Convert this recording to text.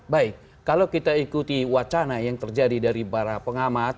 baik kalau kita ikuti wacana yang terjadi dari para pengamat